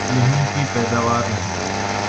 یہیں کی پیداوار نہیں؟